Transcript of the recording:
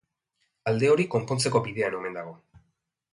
Alde hori konpontzeko bidean omen dago.